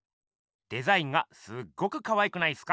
デザインがすっごくかわいくないっすか？